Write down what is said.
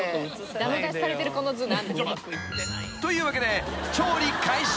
［というわけで］